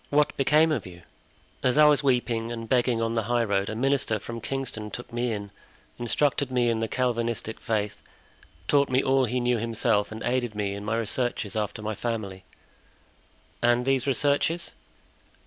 "What became of you?" "As I was weeping and begging on the high road, a minister from Kingston took me in, instructed me in the Calvinistic faith, taught me all he knew himself and aided me in my researches after my family." "And these researches?"